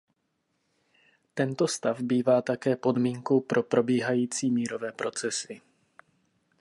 Tento stav bývá také podmínkou pro probíhající mírové procesy.